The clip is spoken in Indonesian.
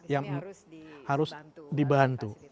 yang harus dibantu